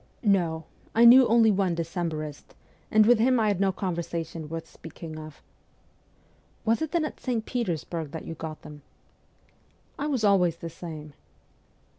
' No ; I knew only one Decembrist, and with him I had no conversation worth speaking of.' ' Was it then at St. Petersburg that you got them ?'' I was always the same.'